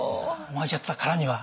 巻いちゃったからには。